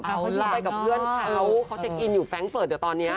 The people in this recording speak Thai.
เข้าไปกับเพื่อนเขาเขาเช็คอินอยู่แฟรงก์เฟิร์ดเดี๋ยวตอนนี้